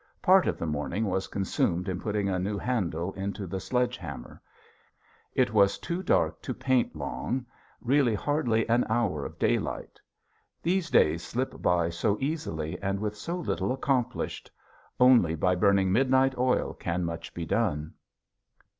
Part of the morning was consumed in putting a new handle into the sledge hammer. It was too dark to paint long, really hardly an hour of daylight. These days slip by so easily and with so little accomplished! Only by burning midnight oil can much be done.